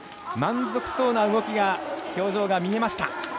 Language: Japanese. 満足そうな動きが表情が見えました。